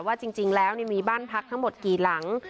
ว่าจริงแล้วมีบ้านพักทั้งหมดกี่หลัง